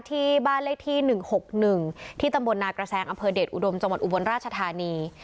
ที่บ้านเลขที่หนึ่งหกหนึ่งที่ตำบลนากระแซงอำเภอเดชอุดมจมตรอุบรรณราชธานี